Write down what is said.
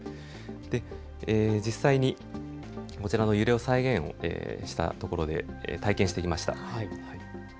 実際にこちらの揺れの再現をしたところで体験してきました。